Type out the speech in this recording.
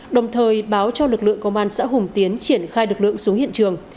đồng thời báo cho lực lượng công an xã hùng tiến triển khai lực lượng xuống hiện trường